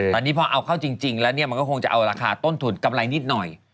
ตอนนี้พอเอาเข้าจริงแล้วเนี่ยมันก็คงจะเอาราคาต้นทุนกำไรนิดหน่อย